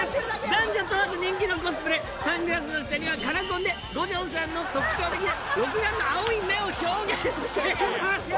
男女問わず人気のコスプレサングラスの下にはカラコンで五条さんの特徴的な六眼の青い眼を表現しています